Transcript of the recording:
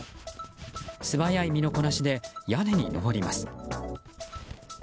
素早い身のこなしで屋根に登ります。